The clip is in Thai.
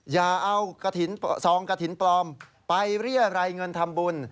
อย่าเอาซองกฐินปลอมไปเรียร่ายเงินทำบุญ